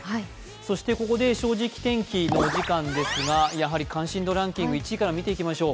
そして、ここで「正直天気」のお時間ですが、関心度ランキング１位から見ていきましょう。